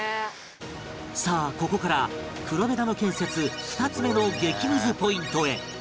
さあここから黒部ダム建設２つ目の激ムズポイントへ